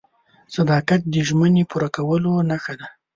• صداقت د ژمنې پوره کولو نښه ده.